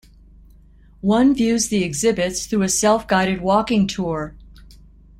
One views the exhibits through a self-guided walking tour.